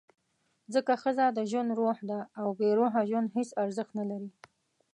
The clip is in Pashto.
ځکه ښځه د ژوند «روح» ده، او بېروحه ژوند هېڅ ارزښت نه لري.